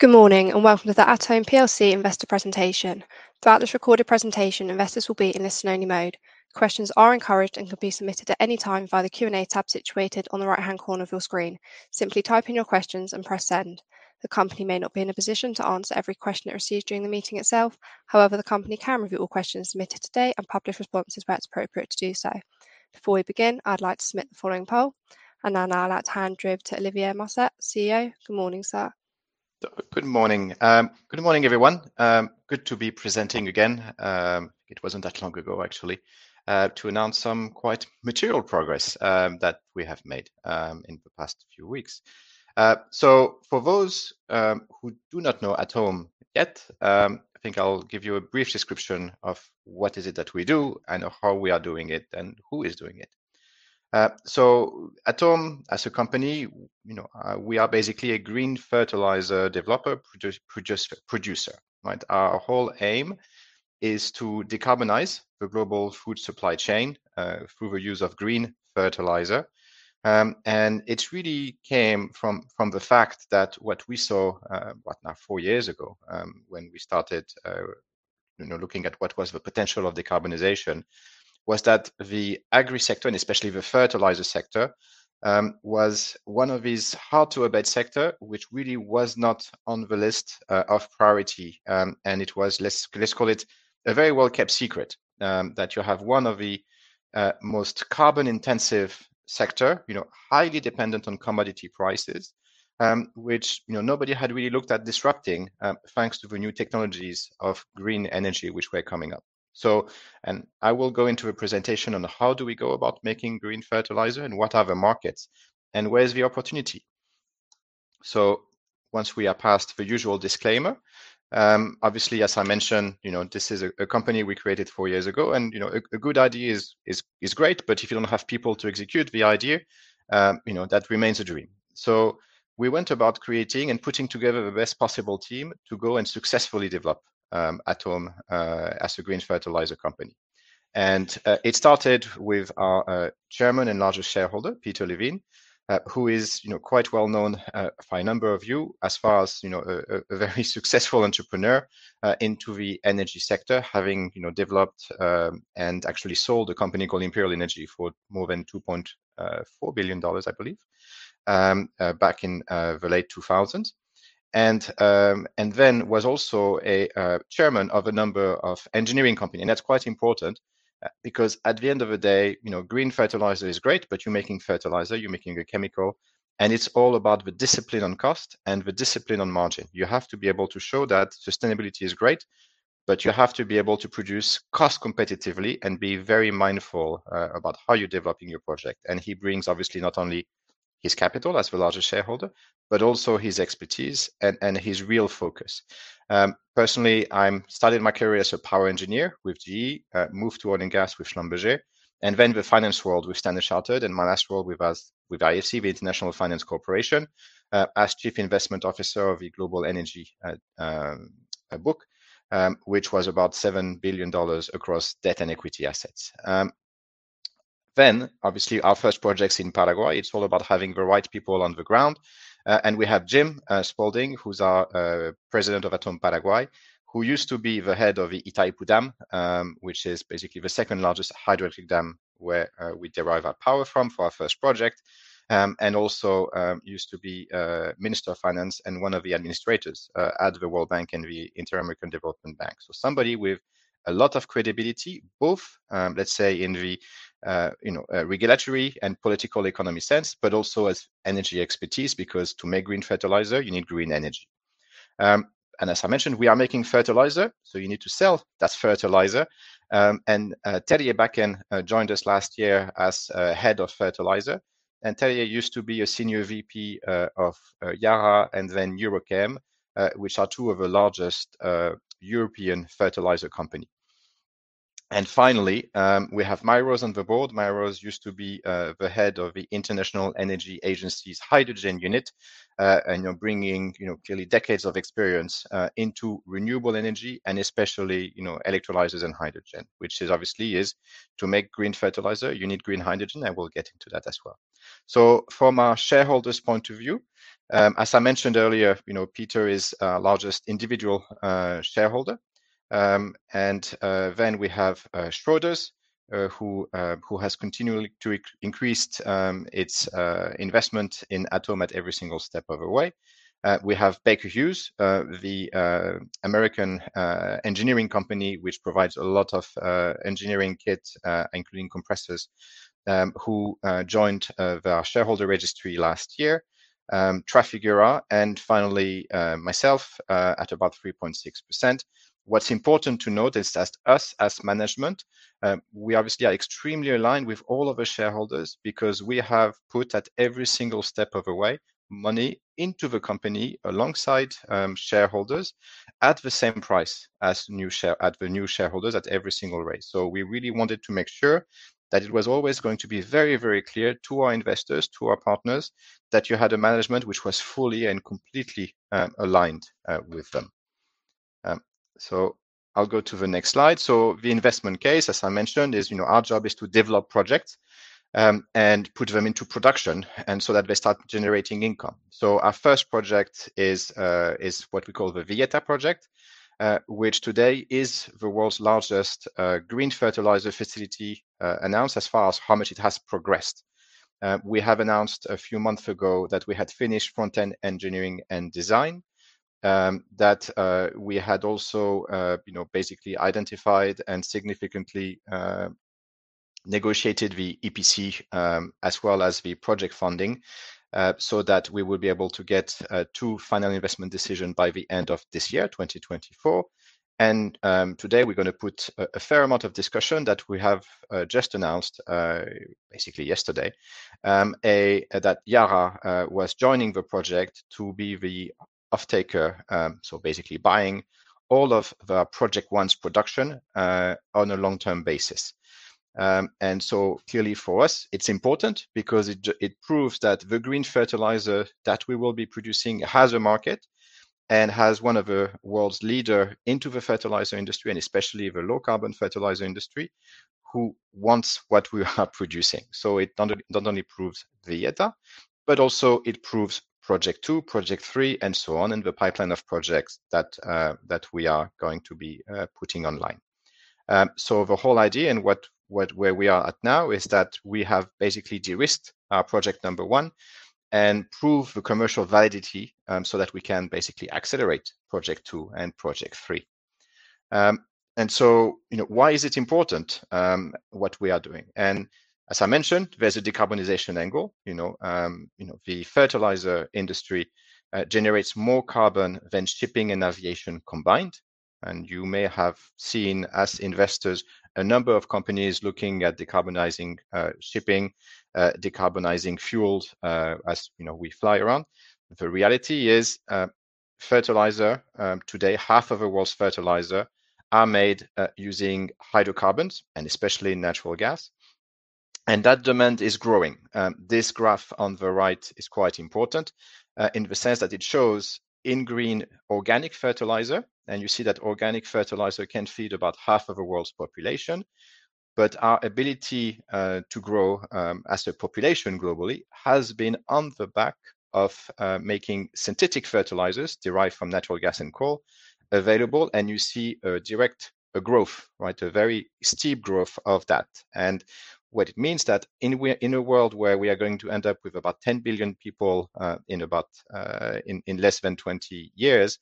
Good morning, and welcome to The Atome PLC Investor Presentation. Throughout this recorded presentation, investors will be in listen only mode. Questions are encouraged and can be submitted at any time via the Q&A tab situated on the right-hand corner of your screen. Simply type in your questions and press send. The company may not be in a position to answer every question it receives during the meeting itself. However, the company can review all questions submitted today and publish responses where it's appropriate to do so. Before we begin, I'd like to submit the following poll. Now I'd like to hand over to Olivier Mussat, CEO. Good morning, sir. Good morning. Good morning, everyone. Good to be presenting again. It wasn't that long ago, actually, to announce some quite material progress that we have made in the past few weeks. For those who do not know Atome yet, I think I'll give you a brief description of what is it that we do and how we are doing it and who is doing it. Atome as a company—you know—we are basically a green fertilizer developer-producer. Right? Our whole aim is to decarbonize the global food supply chain through the use of green fertilizer. It really came from the fact that what we saw four years ago, when we started, you know, looking at what was the potential of decarbonization was that the agri sector, and especially the fertilizer sector, was one of these hard-to-abate sectors, which really was not on the list of priority. It was, let's call it a very well-kept secret, that you have one of the most carbon-intensive sectors, you know, highly dependent on commodity prices, which, you know, nobody had really looked at disrupting, thanks to the new technologies of green energy which were coming up. I will go into a presentation on how do we go about making green fertilizer and what are the markets and where is the opportunity. Once we are past the usual disclaimer, obviously, as I mentioned, you know, this is a company we created four years ago and, you know, a good idea is great, but if you don't have people to execute the idea, you know, that remains a dream. We went about creating and putting together the best possible team to go and successfully develop Atome as a green fertilizer company. It started with our Chairman and largest shareholder, Peter Levine, who is, you know, quite well known for a number of you as far as, you know, a very successful entrepreneur into the energy sector, having developed and actually sold a company called Imperial Energy for more than $2.4 billion, I believe, back in the late 2000s. Then was also a Chairman of a number of engineering company. That's quite important because at the end of the day, you know, green fertilizer is great, but you're making fertilizer; you're making a chemical, and it's all about the discipline on cost and the discipline on margin. You have to be able to show that sustainability is great, but you have to be able to produce cost competitively and be very mindful about how you're developing your project. He brings obviously not only his capital as the largest shareholder, but also his expertise and his real focus. Personally, I started my career as a power engineer with GE, moved to oil and gas with Schlumberger, and then the finance world with Standard Chartered, and my last role was with IFC, the International Finance Corporation, as Chief Investment Officer of the Global Energy book, which was about $7 billion across debt and equity assets. Obviously, our first projects in Paraguay, it's all about having the right people on the ground. We have James Spalding, who's our President of Atome Paraguay, who used to be the head of the Itaipu Dam, which is basically the second largest hydroelectric dam where we derive our power from for our first project. He also used to be Minister of Finance and one of the administrators at the World Bank and the Inter-American Development Bank. Somebody with a lot of credibility, both, let's say in the you know regulatory and political economy sense, but also as energy expertise, because to make green fertilizer, you need green energy. As I mentioned, we are making fertilizer, so you need to sell that fertilizer. Terje Bakken joined us last year as head of fertilizer, and Terje used to be a senior VP of Yara and then EuroChem, which are two of the largest European fertilizer company. Finally, we have Mary-Rose de Valladares on the board. Mary-Rose de Valladares used to be the head of the International Energy Agency's hydrogen unit, and, you know, bringing, you know, clearly decades of experience into renewable energy and especially you know electrolyzers and hydrogen, which is obviously—to make green fertilizer, you need green hydrogen, and we'll get into that as well. From our shareholders' point of view, as I mentioned earlier, you know Peter is our largest individual shareholder. We have Schroders, who has continually increased its investment in Atome at every single step of the way. We have Baker Hughes, the American engineering company, which provides a lot of engineering kit, including compressors, who joined our shareholder registry last year. Trafigura and finally myself at about 3.6%. What's important to note is that us as management, we obviously are extremely aligned with all of the shareholders because we have put at every single step of the way money into the company alongside shareholders at the same price as the new shareholders at every single raise. We really wanted to make sure that it was always going to be very, very clear to our investors, to our partners that you had a management which was fully and completely aligned with them. I'll go to the next slide. The investment case, as I mentioned is, you know, our job is to develop projects and put them into production, and so that they start generating income. Our first project is what we call the Villeta project, which today is the world's largest green fertilizer facility announced as far as how much it has progressed. We have announced a few months ago that we had finished front-end engineering and design, that we had also, you know, basically identified and significantly negotiated the EPC, as well as the project funding, so that we will be able to get to the final investment decision by the end of this year, 2024. Today we're gonna put a fair amount of discussion that we have just announced, basically yesterday, that Yara was joining the project to be the offtaker, so basically buying all of the project one's production, on a long-term basis. Clearly for us it's important because it proves that the green fertilizer that we will be producing has a market and has one of the world's leaders in the fertilizer industry, and especially the low-carbon fertilizer industry, who wants what we are producing. It not only proves Villeta, but also it proves project two, project three, and so on in the pipeline of projects that we are going to be putting online. The whole idea and what where we are at now is that we have basically de-risked our project number one and proved the commercial validity, so that we can basically accelerate project two and project three. You know, why is it important what we are doing? As I mentioned, there's a decarbonization angle, you know, you know, the fertilizer industry generates more carbon than shipping and aviation combined. You may have seen us investors, a number of companies looking at decarbonizing shipping, decarbonizing fuels, as, you know, we fly around. The reality is: fertilizer today, half of the world's fertilizer are made using hydrocarbons and especially natural gas, and that demand is growing. This graph on the right is quite important in the sense that it shows in green organic fertilizer, and you see that organic fertilizer can feed about half of the world's population. Our ability to grow as a population globally has been on the back of making synthetic fertilizers derived from natural gas and coal available. You see a direct growth, right? A very steep growth of that. What it means that in a world where we are going to end up with about 10 billion people in less than 20 years,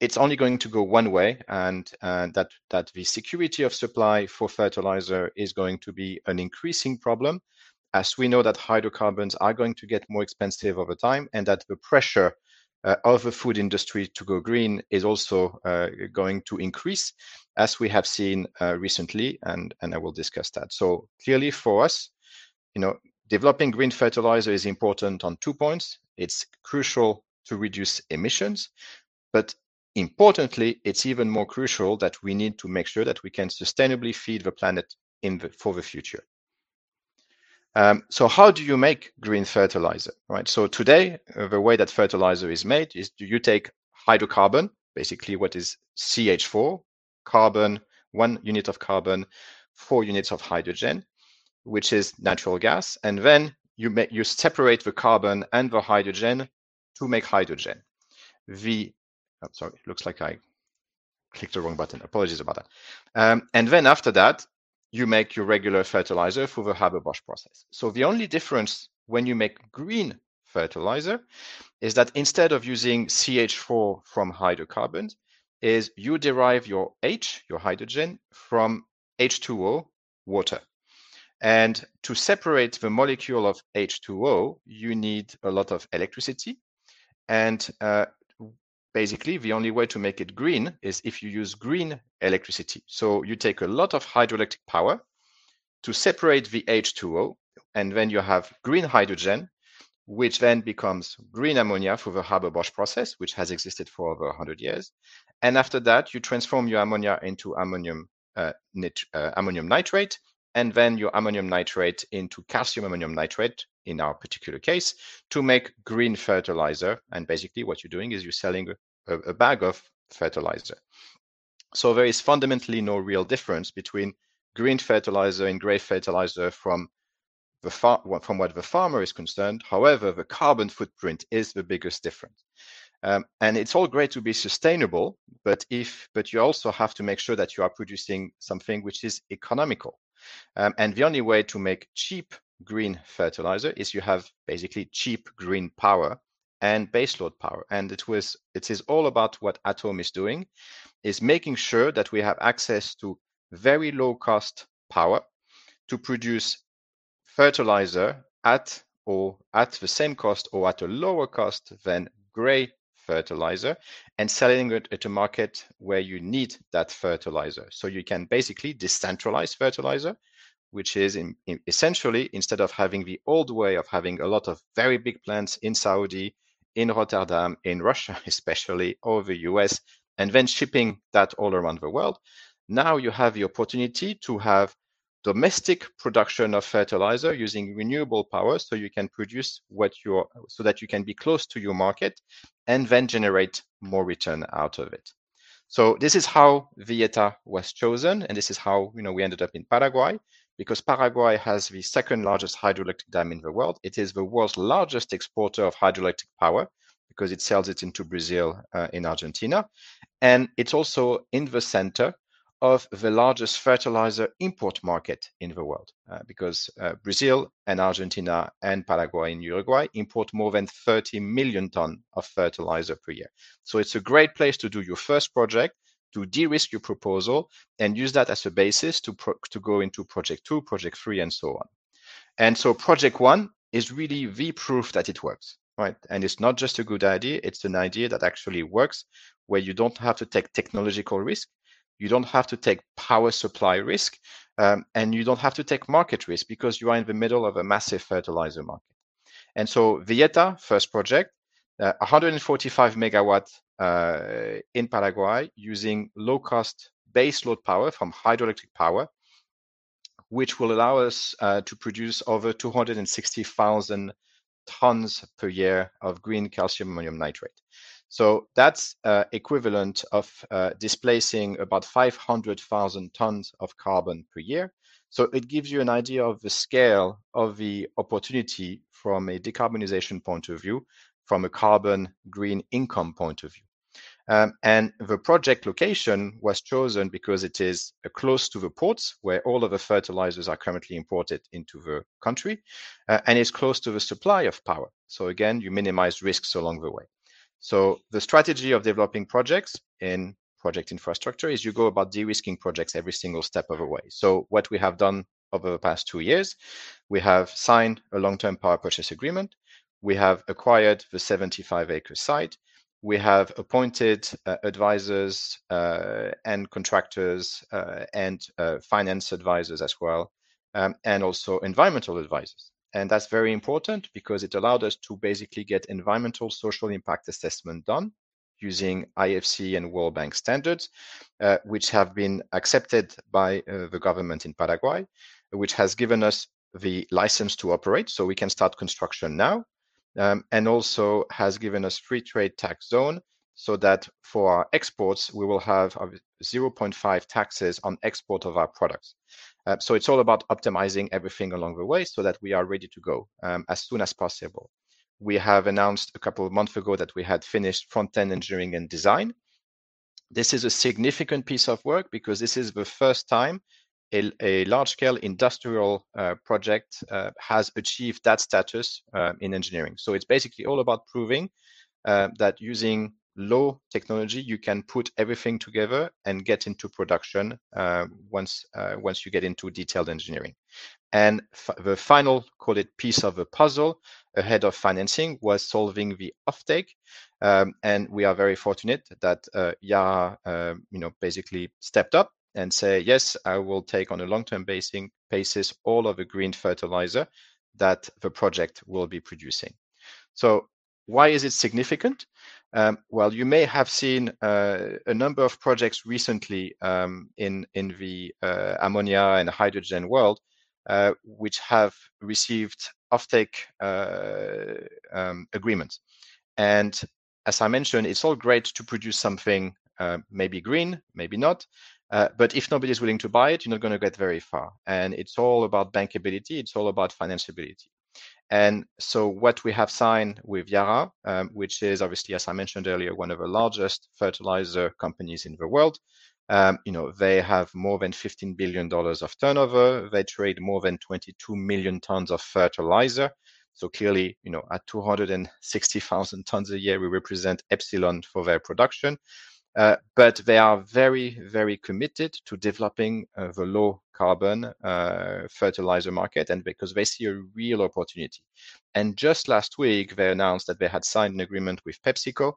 it's only going to go one way, and that the security of supply for fertilizer is going to be an increasing problem as we know that hydrocarbons are going to get more expensive over time, and that the pressure of the food industry to go green is also going to increase, as we have seen recently, and I will discuss that. Clearly for us, you know, developing green fertilizer is important on two points. It's crucial to reduce emissions, but importantly, it's even more crucial that we need to make sure that we can sustainably feed the planet in the future. How do you make green fertilizer, right? Today, the way that fertilizer is made is you take hydrocarbon—basically what is CH4 carbon: one unit of carbon, four units of hydrogen, which is natural gas—and then you separate the carbon and the hydrogen to make hydrogen. And then after that, you make your regular fertilizer through the Haber-Bosch process. The only difference when you make green fertilizer is that instead of using CH4 from hydrocarbons, is you derive your H, your hydrogen, from H2O water. And to separate the molecule of H2O, you need a lot of electricity and, basically, the only way to make it green is if you use green electricity. You take a lot of hydroelectric power to separate the H2O, and then you have green hydrogen, which then becomes green ammonia through the Haber-Bosch process, which has existed for over 100 years. After that, you transform your ammonia into ammonium nitrate, and then your ammonium nitrate into calcium ammonium nitrate, in our particular case, to make green fertilizer. Basically what you're doing is you're selling a bag of fertilizer. There is fundamentally no real difference between green fertilizer and gray fertilizer from what the farmer is concerned. The carbon footprint is the biggest difference. It's all great to be sustainable, but you also have to make sure that you are producing something which is economical. The only way to make cheap green fertilizer is you have basically cheap green power and base load power. It was, it is all about what Atome is doing, is making sure that we have access to very low-cost power to produce fertilizer at or at the same cost or at a lower cost than gray fertilizer, and selling it at a market where you need that fertilizer. You can basically decentralize fertilizer, which is in essentially—instead of having the old way of having a lot of very big plants in Saudi, in Rotterdam, in Russia, especially all the U.S., and then shipping that all around the world—now you have the opportunity to have domestic production of fertilizer using renewable power so you can produce so that you can be close to your market and then generate more return out of it. This is how Villeta was chosen, and this is how, you know, we ended up in Paraguay because Paraguay has the second largest hydroelectric dam in the world. It is the world's largest exporter of hydroelectric power because it sells it into Brazil, in Argentina. It's also in the center of the largest fertilizer import market in the world, because Brazil and Argentina and Paraguay and Uruguay import more than 30 million tons of fertilizer per year. It's a great place to do your first project, to de-risk your proposal and use that as a basis to go into project two, project three, and so on. Project one is really the proof that it works, right? It's not just a good idea; it's an idea that actually works, where you don't have to take technological risk, you don't have to take power supply risk, and you don't have to take market risk because you are in the middle of a massive fertilizer market. Villeta: first project, 145 MW in Paraguay using low-cost baseload power from hydroelectric power, which will allow us to produce over 0.26 million tons per year of green calcium ammonium nitrate. That's equivalent of displacing about 0.5 million tons of carbon per year. It gives you an idea of the scale of the opportunity from a decarbonization point of view, from a carbon green income point of view. The project location was chosen because it is close to the ports where all of the fertilizers are currently imported into the country. It's close to the supply of power. Again, you minimize risks along the way. The strategy of developing projects in project infrastructure is you go about de-risking projects every single step of the way. What we have done over the past two years: we have signed a long-term power purchase agreement. We have acquired the 75-acre site. We have appointed advisors, and contractors, and finance advisors as well, and also environmental advisors. That's very important because it allowed us to basically get environmental social impact assessment done using IFC and World Bank standards, which have been accepted by the government in Paraguay, which has given us the license to operate, so we can start construction now. Also has given us free trade tax zone, so that for our exports, we will have 0.5% taxes on export of our products. It's all about optimizing everything along the way so that we are ready to go as soon as possible. We have announced a couple of months ago that we had finished front-end engineering and design. This is a significant piece of work because this is the first time a large scale industrial project has achieved that status in engineering. It's basically all about proving that using low technology, you can put everything together and get into production once you get into detailed engineering. The final, call it "piece of the puzzle" ahead of financing, was solving the offtake. We are very fortunate that Yara, you know, basically stepped up and say, "Yes, I will take on a long-term basis all of the green fertilizer that the project will be producing." Why is it significant? Well, you may have seen a number of projects recently in the ammonia and hydrogen world which have received offtake agreements. As I mentioned, it's all great to produce something maybe green, maybe not. If nobody's willing to buy it, you're not gonna get very far. It's all about bankability, it's all about financeability. What we have signed with Yara—which is obviously, as I mentioned earlier, one of the largest fertilizer companies in the world. You know, they have more than $15 billion of turnover. They trade more than 22 million tons of fertilizer. Clearly, you know, at 0.26 million tons a year, we represent epsilon for their production. But they are very, very committed to developing the low carbon fertilizer market, and because they see a real opportunity. Just last week, they announced that they had signed an agreement with PepsiCo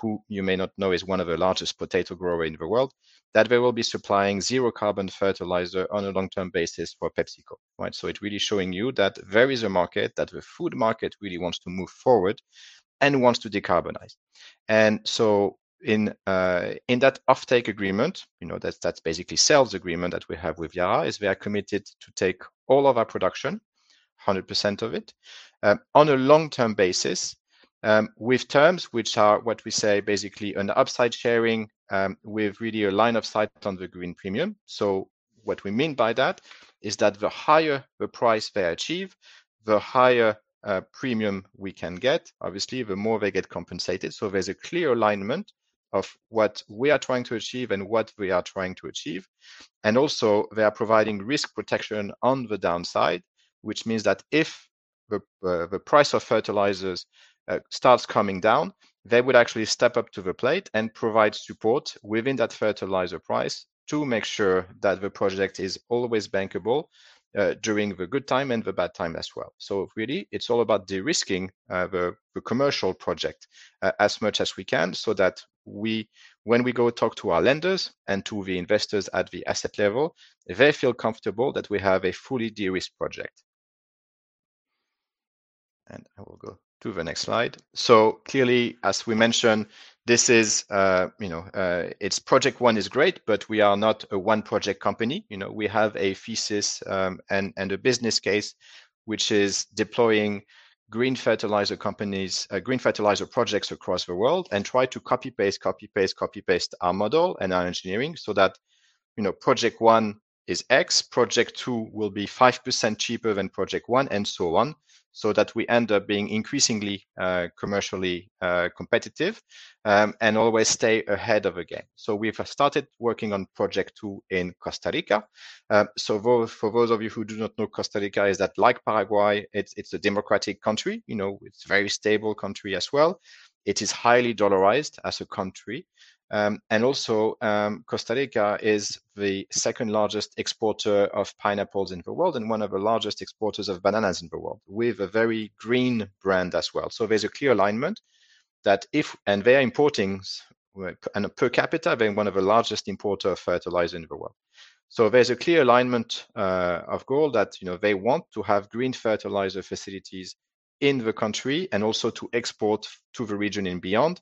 (who, you may not know, is one of the largest potato grower in the world) that they will be supplying zero carbon fertilizer on a long-term basis for PepsiCo, right? It's really showing you that there is a market, that the food market really wants to move forward and wants to decarbonize. In that offtake agreement, you know, that's basically sales agreement that we have with Yara, is they are committed to take all of our production, 100% of it, on a long-term basis, with terms which are, what we say basically an upside sharing, with really a line of sight on the green premium. What we mean by that is that the higher the price they achieve, the higher premium we can get, obviously, the more they get compensated. There's a clear alignment of what we are trying to achieve. Also they are providing risk protection on the downside, which means that if the price of fertilizers starts coming down, they would actually step up to the plate and provide support within that fertilizer price to make sure that the project is always bankable, during the good time and the bad time as well. Really it's all about de-risking the commercial project as much as we can so that when we go talk to our lenders and to the investors at the asset level, they feel comfortable that we have a fully de-risked project. To the next slide. Clearly, as we mentioned, this is, you know, it's project one is great, but we are not a one project company. You know, we have a thesis and a business case, which is deploying green fertilizer projects across the world and try to copy-paste our model and our engineering so that, you know, project one is X, project two will be 5% cheaper than project one, and so on. That we end up being increasingly commercially competitive and always stay ahead of the game. We've started working on project two in Costa Rica. For those of you who do not know, Costa Rica—like Paraguay—it's a democratic country. You know, it's very stable country as well. It is highly dollarized as a country. Also, Costa Rica is the second-largest exporter of pineapples in the world and one of the largest exporters of bananas in the world. We have a very green brand as well. There's a clear alignment. They're importing, and per capita, they're one of the largest importer of fertilizer in the world. There's a clear alignment of goal that, you know, they want to have green fertilizer facilities in the country and also to export to the region and beyond,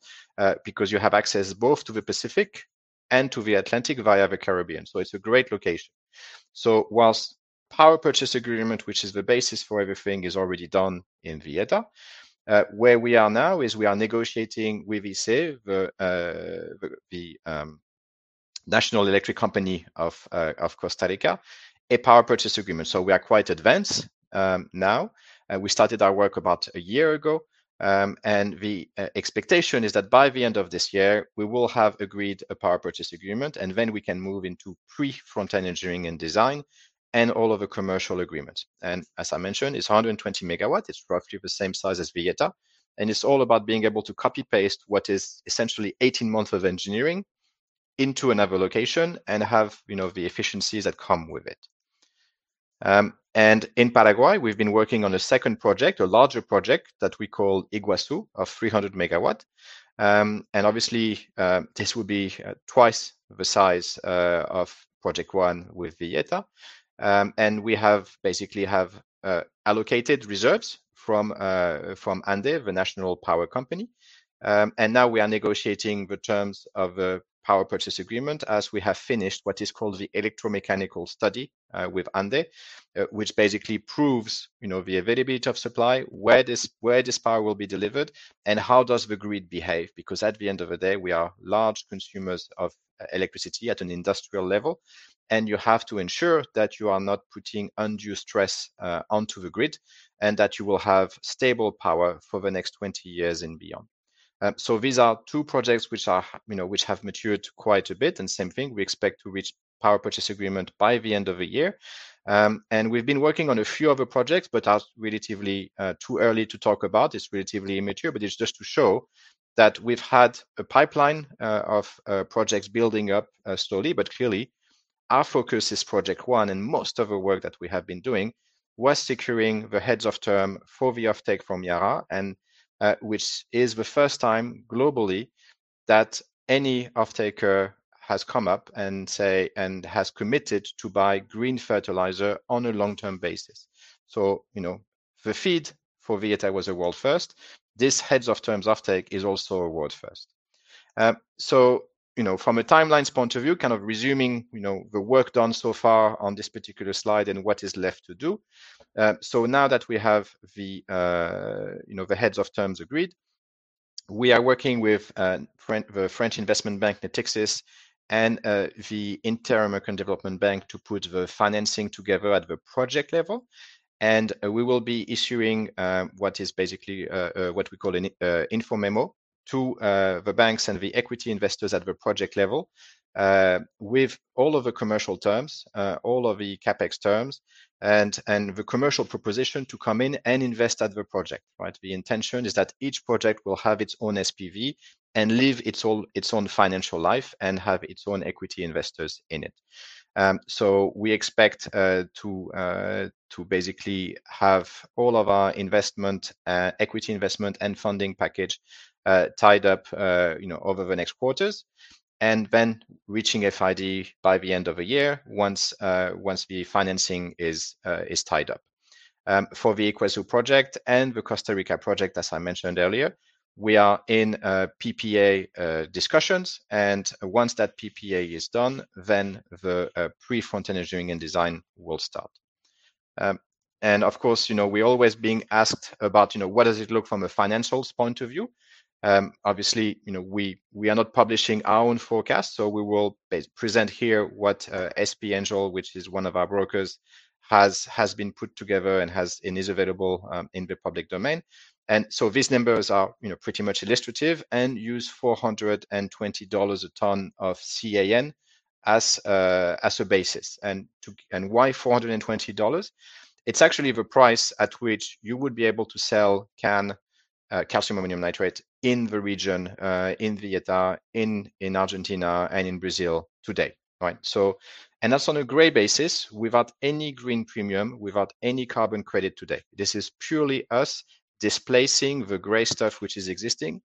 because you have access both to the Pacific and to the Atlantic via the Caribbean. It's a great location. Whilst power purchase agreement, which is the basis for everything, is already done in Villeta. Where we are now is we are negotiating with ICE, the national electric company of Costa Rica, a power purchase agreement. We are quite advanced now. We started our work about a year ago. The expectation is that by the end of this year, we will have agreed a power purchase agreement, and then we can move into pre-FEED engineering and design and all of the commercial agreements. As I mentioned, it's 120 MW. It's roughly the same size as Villeta. It's all about being able to copy-paste what is essentially 18 months of engineering into another location and have, you know, the efficiencies that come with it. In Paraguay, we've been working on a second project, a larger project that we call Iguazu, of 300 MW. Obviously, this will be twice the size of project one with Villeta. We have basically allocated reserves from ANDE, the national power company. Now we are negotiating the terms of a power purchase agreement as we have finished what is called the electromechanical study with ANDE, which basically proves, you know, the availability of supply, where this power will be delivered, and how does the grid behave. Because at the end of the day, we are large consumers of electricity at an industrial level, and you have to ensure that you are not putting undue stress onto the grid and that you will have stable power for the next 20 years and beyond. These are two projects which you know have matured quite a bit. Same thing, we expect to reach power purchase agreement by the end of the year. We've been working on a few other projects, but are relatively too early to talk about. It's relatively immature, but it's just to show that we've had a pipeline of projects building up slowly. Clearly, our focus is project one, and most of the work that we have been doing was securing the heads of terms for the offtake from Yara and which is the first time globally that any offtaker has come up and has committed to buy green fertilizer on a long-term basis. You know, the feed for Villeta was a world first. This heads of terms offtake is also a world first. You know, from a timeline point of view, kind of resuming, you know, the work done so far on this particular slide and what is left to do. Now that we have the heads of terms agreed, we are working with the French investment bank, Natixis, and the Inter-American Development Bank to put the financing together at the project level. We will be issuing what is basically what we call an info memo to the banks and the equity investors at the project level with all of the commercial terms all of the CapEx terms and the commercial proposition to come in and invest at the project, right? The intention is that each project will have its own SPV and live its own financial life and have its own equity investors in it. We expect to basically have all of our equity investment and funding package tied up, you know, over the next quarters. Reaching FID by the end of the year once the financing is tied up. For the Iguazu project and the Costa Rica project, as I mentioned earlier, we are in PPA discussions. Once that PPA is done, the pre-front-end engineering and design will start. Of course, you know, we're always being asked about, you know, what does it look from a financials point of view? Obviously, you know, we are not publishing our own forecast, so we will present here what SP Angel, which is one of our brokers, has been put together and is available in the public domain. These numbers are, you know, pretty much illustrative and use $420 a ton of CAN as a basis. Why $420? It's actually the price at which you would be able to sell CAN, calcium ammonium nitrate in the region, in Villeta, in Argentina and in Brazil today, right? That's on a gray basis without any green premium, without any carbon credit today. This is purely us displacing the gray stuff which is existing.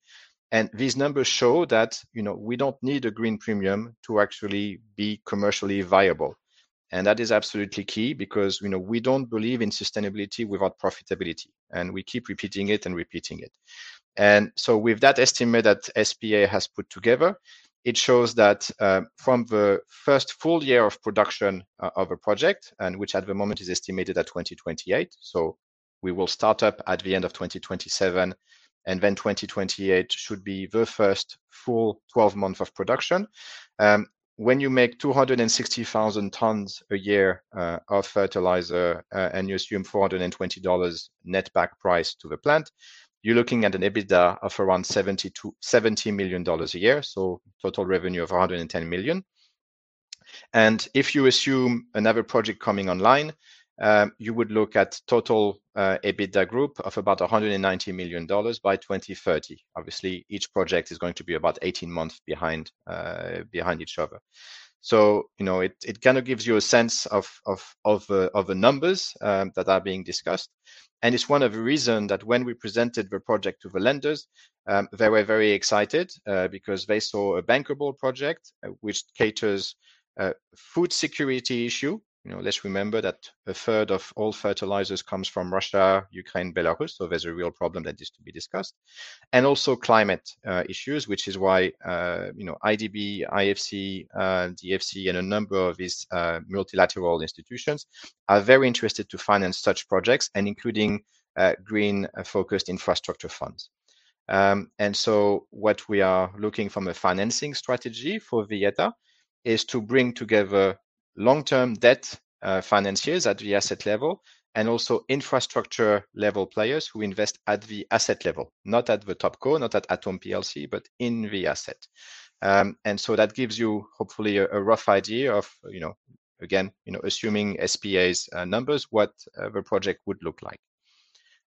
These numbers show that, you know, we don't need a green premium to actually be commercially viable. That is absolutely key because, you know, we don't believe in sustainability without profitability, and we keep repeating it and repeating it. So with that estimate that SPA has put together, it shows that, from the first full year of production of a project, and which at the moment is estimated at 2028, so we will start up at the end of 2027, and then 2028 should be the first full 12 months of production. When you make 260,000 tons a year of fertilizer, and you assume $420 net back price to the plant, you're looking at an EBITDA of around $70 million a year. Total revenue of $110 million. If you assume another project coming online, you would look at total EBITDA group of about $190 million by 2030. Obviously, each project is going to be about 18 months behind each other. You know, it kind of gives you a sense of the numbers that are being discussed. It's one of the reason that when we presented the project to the lenders, they were very excited because they saw a bankable project which caters food security issue. You know, let's remember that 1/3 of all fertilizers comes from Russia, Ukraine, Belarus. There's a real problem that is to be discussed. Also climate issues, which is why, you know, IDB, IFC, DFC, and a number of these multilateral institutions are very interested to finance such projects, including green focused infrastructure funds. What we are looking from a financing strategy for Villeta is to bring together long-term debt financiers at the asset level and also infrastructure level players who invest at the asset level, not at the top co, not at Atome PLC, but in the asset. That gives you hopefully a rough idea of, you know, again, you know, assuming SP Angel's numbers, what the project would look like.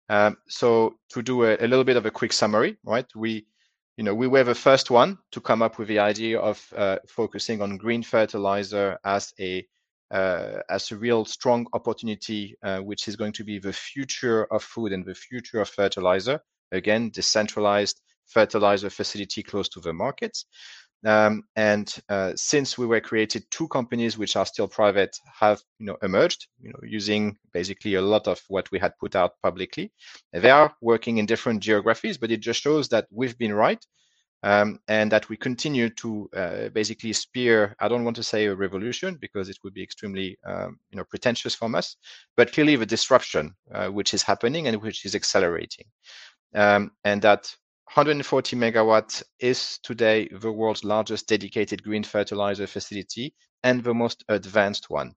To do a little bit of a quick summary, right? We—you know—we were the first one to come up with the idea of focusing on green fertilizer as a real strong opportunity, which is going to be the future of food and the future of fertilizer. Again, decentralized fertilizer facility close to the market. Since we were created, two companies which are still private have, you know, emerged, you know, using basically a lot of what we had put out publicly. They are working in different geographies, but it just shows that we've been right, and that we continue to basically spearhead. I don't want to say a revolution because it would be extremely, you know, pretentious of us, but clearly the disruption which is happening and which is accelerating. That 140 MW is today the world's largest dedicated green fertilizer facility and the most advanced one,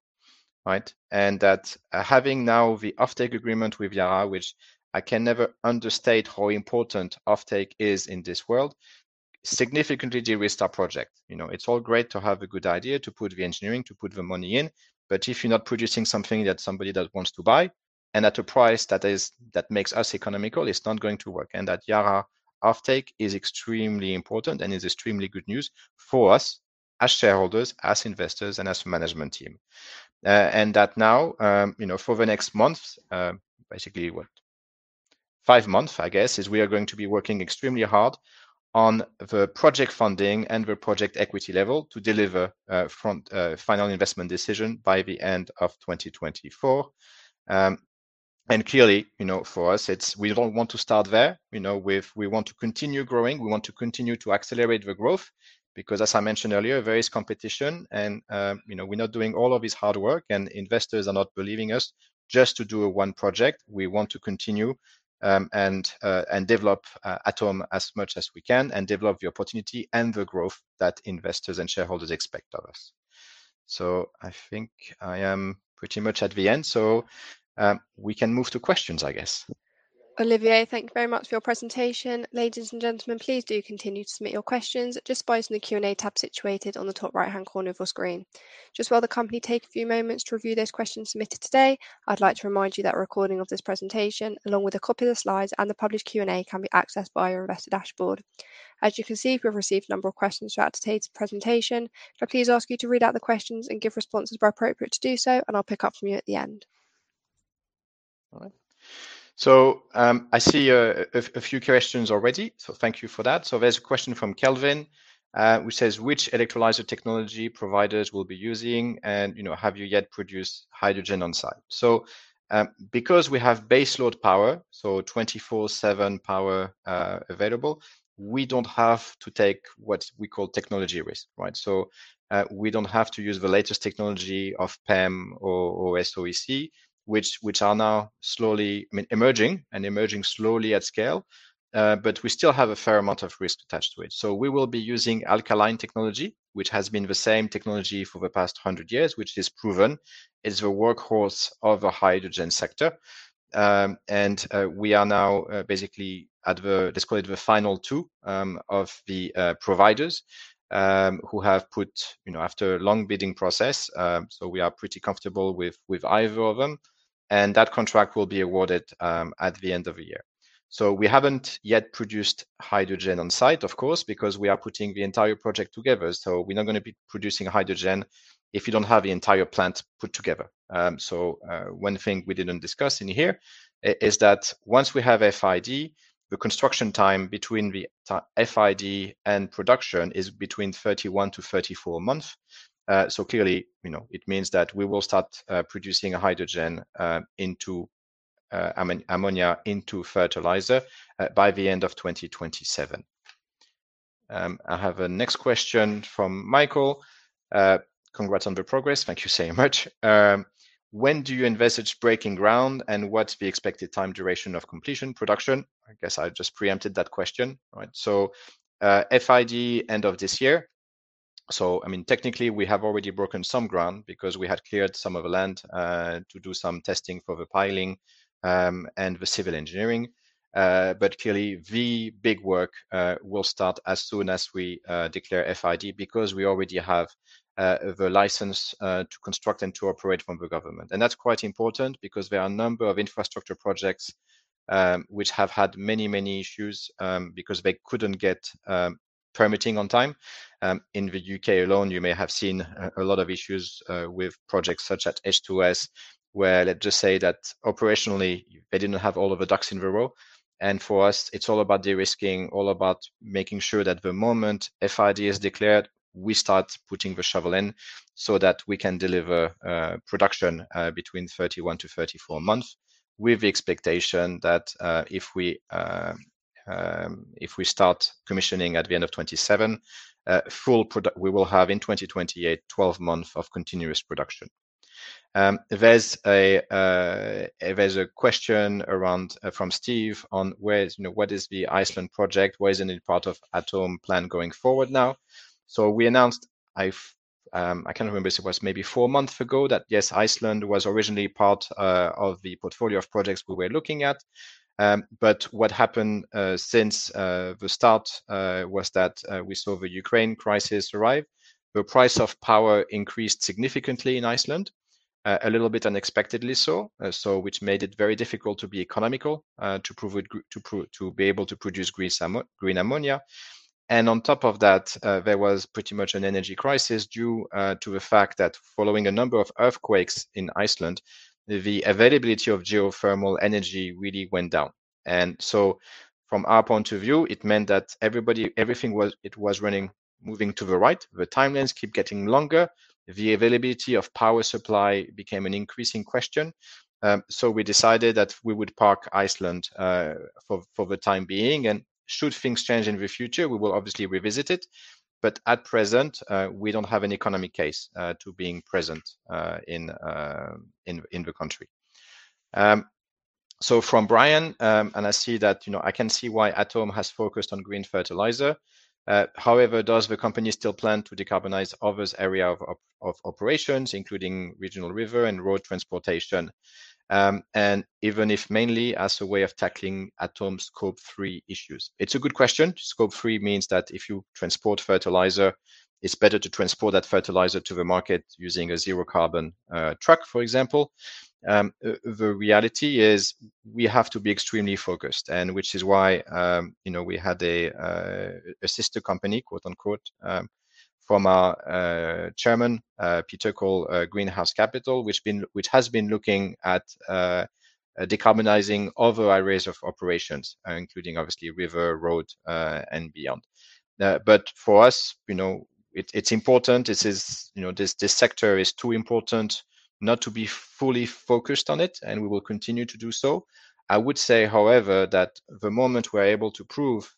right? That having now the offtake agreement with Yara, which I can never understate how important offtake is in this world, significantly de-risk our project. You know, it's all great to have a good idea, to put the engineering, to put the money in, but if you're not producing something that somebody that wants to buy and at a price that is—that makes us economical—it's not going to work. That Yara offtake is extremely important and is extremely good news for us as shareholders, as investors, and as management team. That now, you know, for the next month, basically, five months, I guess, is we are going to be working extremely hard on the project funding and the project equity level to deliver final investment decision by the end of 2024. Clearly, you know, for us it's: we don't want to start there. You know, we want to continue growing. We want to continue to accelerate the growth because as I mentioned earlier, there is competition and, you know, we're not doing all of this hard work and investors are not believing us just to do one project. We want to continue and develop Atome as much as we can and develop the opportunity and the growth that investors and shareholders expect of us. I think I am pretty much at the end. We can move to questions, I guess. Olivier, thank you very much for your presentation. Ladies and gentlemen, please do continue to submit your questions just by using the Q&A tab situated on the top right-hand corner of your screen. Just while the company take a few moments to review those questions submitted today, I'd like to remind you that a recording of this presentation, along with a copy of the slides and the published Q&A, can be accessed via your investor dashboard. As you can see, we've received a number of questions throughout today's presentation. Can I please ask you to read out the questions and give responses where appropriate to do so, and I'll pick up from you at the end. All right. I see a few questions already, so thank you for that. There's a question from Kelvin, which says, "Which electrolyzer technology providers we'll be using and, you know, have you yet produced hydrogen on-site?" Because we have baseload power, 24/7 power available, we don't have to take what we call technology risk, right? We don't have to use the latest technology of PEM or SOEC, which are now slowly, I mean, emerging at scale, but we still have a fair amount of risk attached to it. We will be using alkaline technology, which has been the same technology for the past 100 years, which is proven, is the workhorse of the hydrogen sector. We are now basically at the, let's call it the final two of the providers who have put, you know, after a long bidding process, so we are pretty comfortable with either of them. That contract will be awarded at the end of the year. We haven't yet produced hydrogen on-site, of course, because we are putting the entire project together. We're not gonna be producing hydrogen if you don't have the entire plant put together. One thing we didn't discuss in here is that once we have FID, the construction time between the FID and production is between 31 months-34 months. Clearly, you know, it means that we will start producing hydrogen into ammonia into fertilizer by the end of 2027. Next question from Michael. Congrats on the progress. Thank you so much. When do you envisage breaking ground, and what's the expected time duration of completion production? I guess I just preempted that question, right? FID end of this year. I mean, technically, we have already broken some ground because we had cleared some of the land to do some testing for the piling and the civil engineering. Clearly, the big work will start as soon as we declare FID because we already have the license to construct and to operate from the government. That's quite important because there are a number of infrastructure projects which have had many issues because they couldn't get permitting on time. In the U.K. alone, you may have seen a lot of issues with projects such as HyNet, where let's just say that operationally they didn't have all of the ducks in a row. For us, it's all about de-risking, all about making sure that the moment FID is declared, we start putting the shovel in so that we can deliver production between 31 months-34 months with the expectation that if we start commissioning at the end of 2027, we will have in 2028, 12 months of continuous production. There's a question around from Steve on, you know: "what is the Iceland project?" Why isn't it part of Atome plan going forward now? We announced. I can't remember if it was maybe four months ago, that yes, Iceland was originally part of the portfolio of projects we were looking at. What happened since the start was that we saw the Ukraine crisis arrive. The price of power increased significantly in Iceland, a little bit unexpectedly so. Which made it very difficult to be economical to be able to produce green ammonia. On top of that, there was pretty much an energy crisis due to the fact that following a number of earthquakes in Iceland, the availability of geothermal energy really went down. From our point of view, it meant that everything was running, moving to the right. The timelines keep getting longer. The availability of power supply became an increasing question. We decided that we would park Iceland for the time being. Should things change in the future, we will obviously revisit it. At present, we don't have an economic case to being present in the country. From Brian and I see that, you know, I can see why Atome has focused on green fertilizer. However, does the company still plan to decarbonize other areas of operations, including regional river and road transportation, and even if mainly as a way of tackling Atome Scope 3 issues? It's a good question. Scope 3 means that if you transport fertilizer, it's better to transport that fertilizer to the market using a zero carbon truck, for example. The reality is we have to be extremely focused, and which is why, you know, we had a sister company, quote-unquote, from our Chairman, Peter Levine, Greenhouse Capital, which has been looking at decarbonizing other areas of operations, including obviously river, road, and beyond. For us, you know, it's important. This is, you know, this sector is too important not to be fully focused on it, and we will continue to do so. I would say, however, that the moment we're able to prove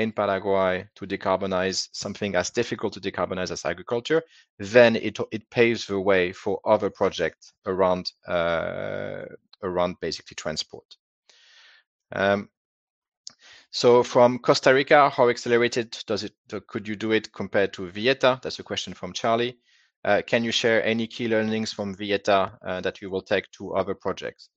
that you can successfully use renewable power in Paraguay to decarbonize something as difficult to decarbonize as agriculture, then it paves the way for other projects around basically transport. From Costa Rica, could you do it compared to Villeta? That's a question from Charlie. Can you share any key learnings from Villeta that you will take to other projects?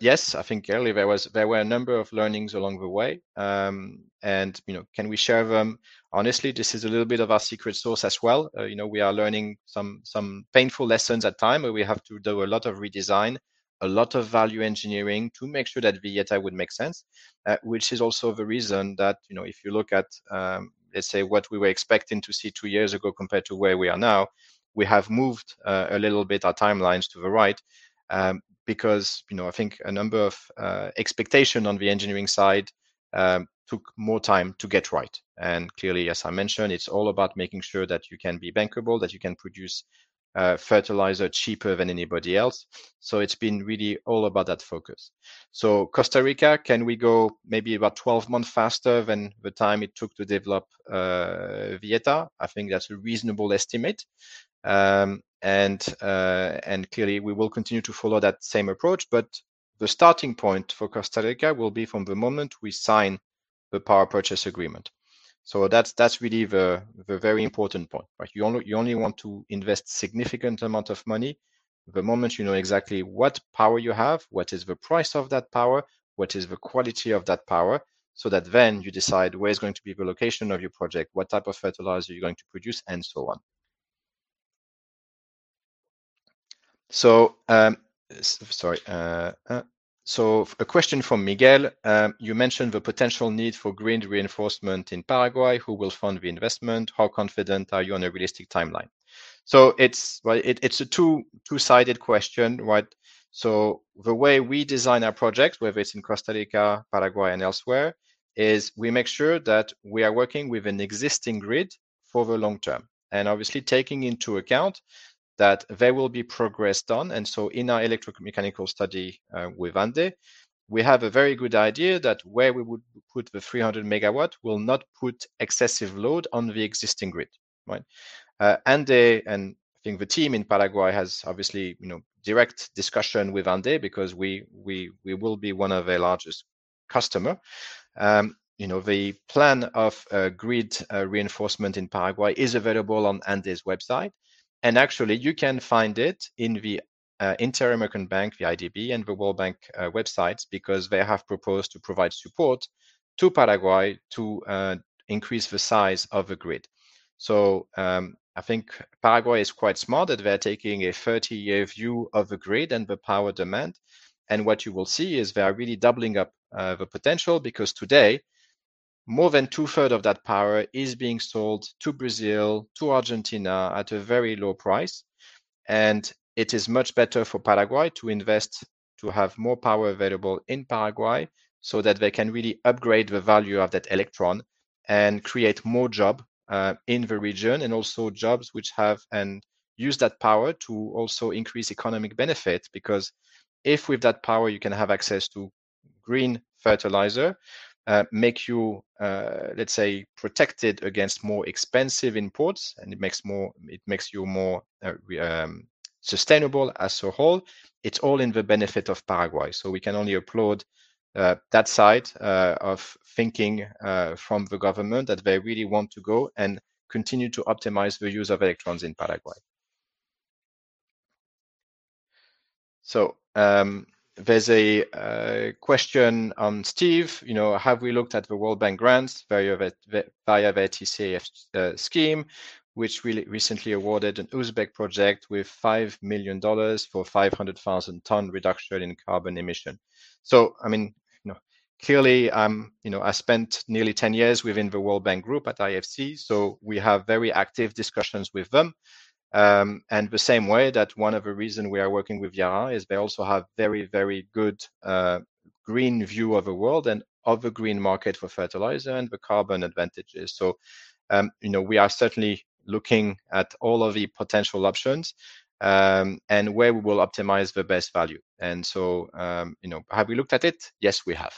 Yes, I think there were a number of learnings along the way. You know, can we share them? Honestly, this is a little bit of our secret sauce as well. You know, we are learning some painful lessons at a time where we have to do a lot of redesign, a lot of value engineering to make sure that Villeta would make sense. Which is also the reason that, you know, if you look at, let's say, what we were expecting to see two years ago compared to where we are now, we have moved a little bit our timelines to the right, because, you know, I think a number of expectations on the engineering side took more time to get right. Clearly, as I mentioned, it's all about making sure that you can be bankable, that you can produce fertilizer cheaper than anybody else. It's been really all about that focus. Costa Rica, can we go maybe about 12 months faster than the time it took to develop Villeta? I think that's a reasonable estimate. Clearly, we will continue to follow that same approach. The starting point for Costa Rica will be from the moment we sign the power purchase agreement. That's really the very important point, right? You only want to invest significant amount of money the moment you know exactly what power you have, what is the price of that power, what is the quality of that power, so that then you decide where is going to be the location of your project, what type of fertilizer you're going to produce, and so on. Sorry. A question from Miguel. You mentioned the potential need for grid reinforcement in Paraguay. Who will fund the investment? How confident are you on a realistic timeline? It's a two-sided question, right? The way we design our projects, whether it's in Costa Rica, Paraguay, and elsewhere is we make sure that we are working with an existing grid for the long term, and obviously taking into account that there will be progress done. In our electromechanical study with ANDE, we have a very good idea that where we would put the 300 MW will not put excessive load on the existing grid. Right. ANDE and I think the team in Paraguay has obviously direct discussion with ANDE because we will be one of their largest customer. You know, the plan of grid reinforcement in Paraguay is available on ANDE's website, and actually you can find it in the Inter-American Development Bank, the IDB, and the World Bank websites, because they have proposed to provide support to Paraguay to increase the size of the grid. I think Paraguay is quite smart that they're taking a 30-year view of the grid and the power demand. What you will see is they are really doubling up the potential, because today, more than 2/3 of that power is being sold to Brazil, to Argentina at a very low price. It is much better for Paraguay to invest, to have more power available in Paraguay, so that they can really upgrade the value of that electron and create more job in the region, and also jobs which have and use that power to also increase economic benefit. Because if with that power you can have access to green fertilizer, make you, let's say, protected against more expensive imports, and it makes you more sustainable as a whole. It's all in the benefit of Paraguay. We can only applaud that side of thinking from the government that they really want to go and continue to optimize the use of electrons in Paraguay. There's a question on Steve. You know, have we looked at the World Bank grants via the TCAF scheme, which recently awarded an Uzbek project with $5 million for 0.5 million-ton reduction in carbon emission? I mean, you know, clearly, you know, I spent nearly 10 years within the World Bank Group at IFC, so we have very active discussions with them. The same way that one of the reason we are working with Yara is they also have very, very good green view of the world and of the green market for fertilizer and the carbon advantages. You know, we are certainly looking at all of the potential options, and where we will optimize the best value. Have we looked at it? Yes, we have.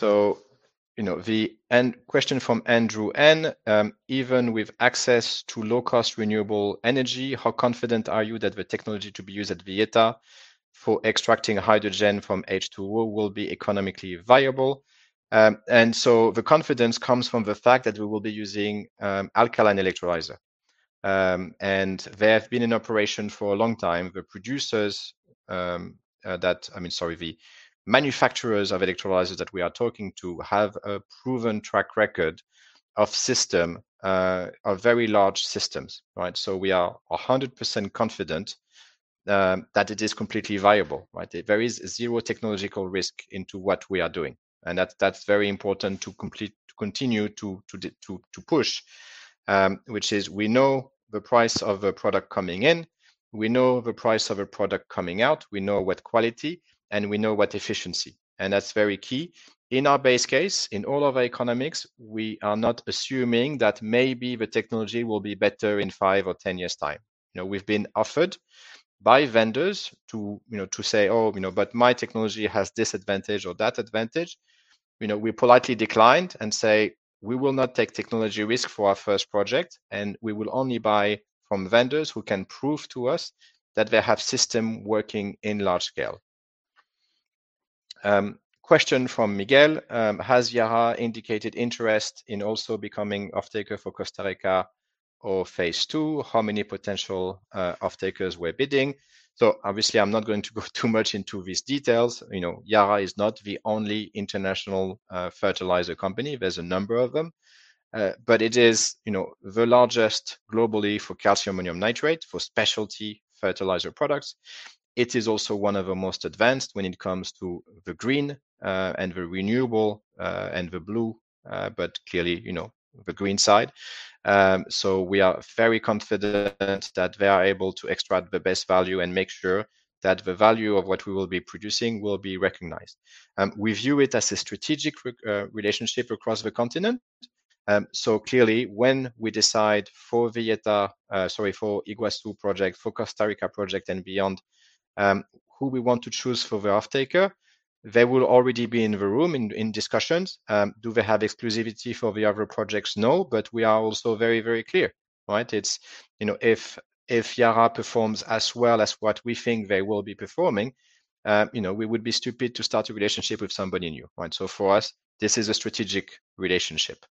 You know, the question from Andrew N, even with access to low-cost renewable energy, how confident are you that the technology to be used at Villeta for extracting hydrogen from H2O will be economically viable? The confidence comes from the fact that we will be using alkaline electrolyzer. They have been in operation for a long time. The manufacturers of electrolyzers that we are talking to have a proven track record of very large systems, right? We are 100% confident that it is completely viable, right? There is zero technological risk in what we are doing, and that's very important to continue to push, which is we know the price of a product coming in, we know the price of a product coming out, we know what quality, and we know what efficiency—and that's very key. In our base case, in all of our economics, we are not assuming that maybe the technology will be better in five years or 10 years' time. You know, we've been offered by vendors to, you know, to say, "Oh, you know, but my technology has this advantage or that advantage." You know, we politely declined and say, we will not take technology risk for our first project, and we will only buy from vendors who can prove to us that they have system working in large scale. Question from Miguel, has Yara indicated interest in also becoming offtaker for Costa Rica or phase two? How many potential offtakers were bidding? Obviously, I'm not going to go too much into these details. You know, Yara is not the only international fertilizer company. There's a number of them. But it is, you know, the largest globally for calcium ammonium nitrate, for specialty fertilizer products. It is also one of the most advanced when it comes to the green, and the renewable, and the blue, but clearly, you know, the green side. We are very confident that they are able to extract the best value and make sure that the value of what we will be producing will be recognized. We view it as a strategic relationship across the continent. Clearly when we decide for Villeta, sorry, for Iguazu project, for Costa Rica project and beyond, who we want to choose for the offtaker, they will already be in the room in discussions. Do they have exclusivity for the other projects? No, but we are also very, very clear, right? It's, you know, if Yara performs as well as what we think they will be performing, you know, we would be stupid to start a relationship with somebody new, right? For us, this is a strategic relationship.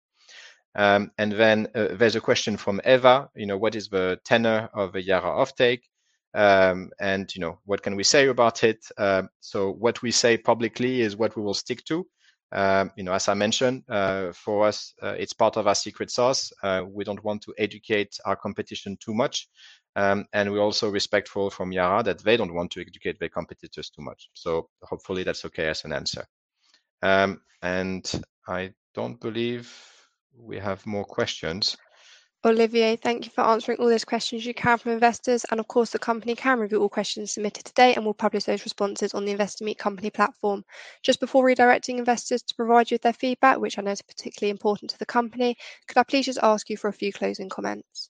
Then, there's a question from Eva, you know, what is the tenor of the Yara offtake? You know, what can we say about it? What we say publicly is what we will stick to. You know, as I mentioned, for us, it's part of our secret sauce. We don't want to educate our competition too much. We're also respectful of Yara that they don't want to educate their competitors too much. Hopefully that's okay as an answer. I don't believe we have more questions. Olivier, thank you for answering all those questions you can from investors. Of course, the company can review all questions submitted today, and we'll publish those responses on the Investor Meet Company platform. Just before redirecting investors to provide you with their feedback, which I know is particularly important to the company, could I please just ask you for a few closing comments?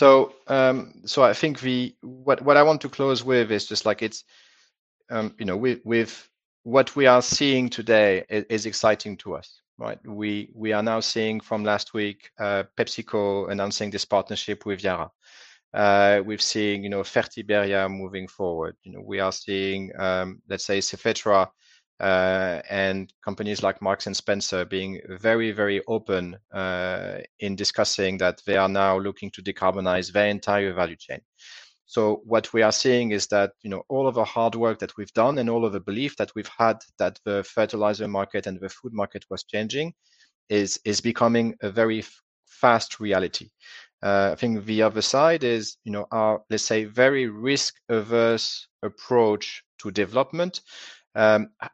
I think what I want to close with is just like it's, you know, with what we are seeing today is exciting to us, right? We are now seeing from last week, PepsiCo announcing this partnership with Yara. We've seen, you know, Fertiberia moving forward. You know, we are seeing, let's say, Safetra, and companies like Marks & Spencer being very open in discussing that they are now looking to decarbonize their entire value chain. What we are seeing is that, you know, all of the hard work that we've done and all of the belief that we've had that the fertilizer market and the food market was changing is becoming a very fast reality. I think the other side is, you know, our, let's say, very risk-averse approach to development,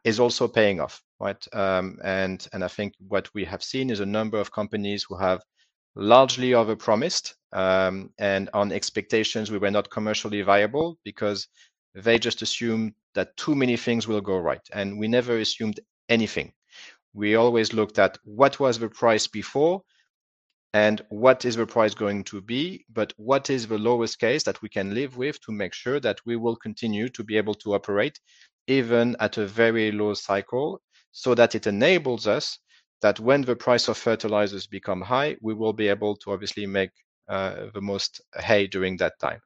is also paying off, right? I think what we have seen is a number of companies who have largely overpromised, and on expectations we were not commercially viable because they just assumed that too many things will go right. We never assumed anything. We always looked at what was the price before and what is the price going to be, but what is the lowest case that we can live with to make sure that we will continue to be able to operate even at a very low cycle so that it enables us that when the price of fertilizers become high, we will be able to obviously make, the most hay during that time.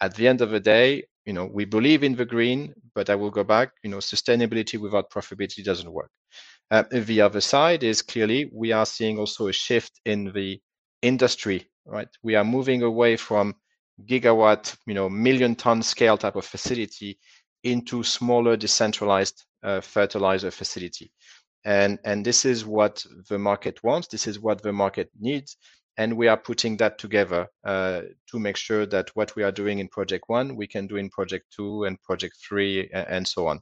At the end of the day, you know, we believe in the green, but I will go back. You know, sustainability without profitability doesn't work. The other side is clearly we are seeing also a shift in the industry, right? We are moving away from gigawatt, you know, million ton scale type of facility into smaller, decentralized, fertilizer facility. This is what the market wants, this is what the market needs, and we are putting that together to make sure that what we are doing in project one, we can do in project three and so on.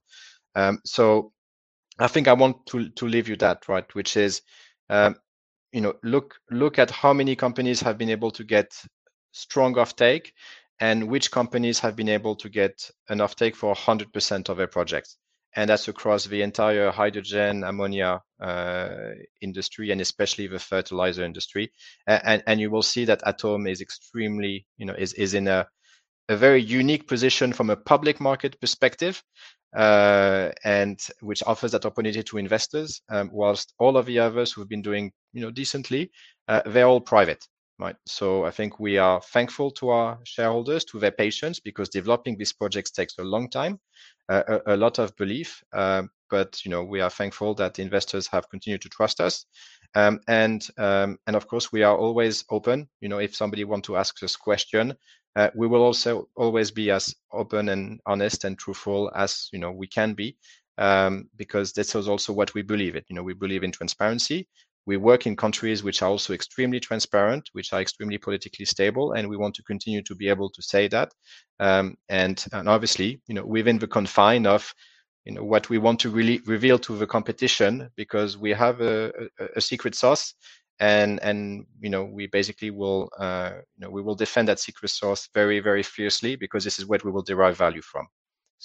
I think I want to leave you that, right, which is, you know, look at how many companies have been able to get strong offtake and which companies have been able to get an offtake for 100% of their projects. That's across the entire hydrogen, ammonia, industry and especially the fertilizer industry. You will see that Atome is extremely, you know, in a very unique position from a public market perspective, and which offers that opportunity to investors. While all of the others who've been doing, you know, decently, they're all private, right? I think we are thankful to our shareholders, to their patience because developing these projects takes a long time, a lot of belief, but you know, we are thankful that investors have continued to trust us. Of course we are always open. You know, if somebody want to ask this question, we will also always be as open and honest and truthful as, you know, we can be, because this is also what we believe in. You know, we believe in transparency. We work in countries which are also extremely transparent, which are extremely politically stable, and we want to continue to be able to say that. Obviously, you know, within the confines of you know what we want to reveal to the competition because we have a secret sauce and you know we basically will defend that secret sauce very, very fiercely because this is what we will derive value from.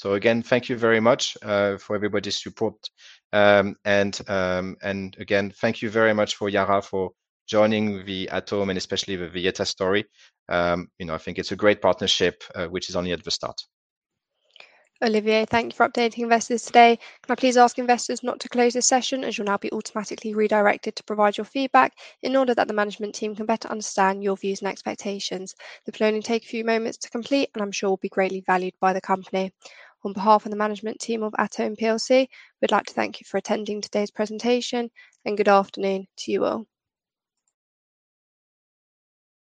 Again, thank you very much for everybody's support. Thank you very much to Yara for joining Atome and especially the Villeta story. You know, I think it's a great partnership, which is only at the start. Olivier, thank you for updating investors today. Can I please ask investors not to close this session as you'll now be automatically redirected to provide your feedback in order that the management team can better understand your views and expectations. It will only take a few moments to complete, and I'm sure will be greatly valued by the company. On behalf of the management team of Atome PLC, we'd like to thank you for attending today's presentation, and good afternoon to you all.